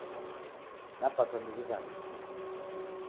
Dapatwa ni ghizamie